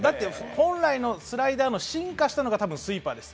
本来のスライダーの進化したのがスイーパーです。